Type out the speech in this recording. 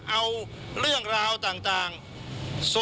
เอาเรื่องราวนี้มาเป็นสิ่งที่สุขภาพของคนในครอบครัว